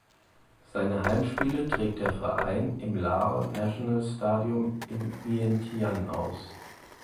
Seine Heimspiele trägt der Verein im Lao National Stadium in Vientiane aus.